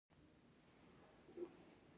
د هغه جوړه ملګری دې هغه ولیکي په پښتو ژبه.